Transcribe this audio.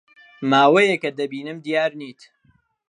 ماوەیەکە دەبینم دیار نیت.